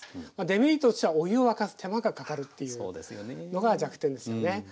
デメリットとしてはお湯を沸かす手間がかかるっていうのが弱点ですよね。